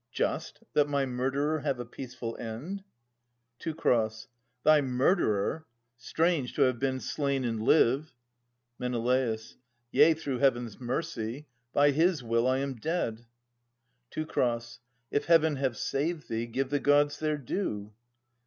Just, that my murderer have a peaceful end? Teu. Thy murderer ? Strange, to have been slain and live ! Men. Yea, through Heaven's mercy. By his will, I am dead. Teu. If Heaven have saved thee, give the Gods their due.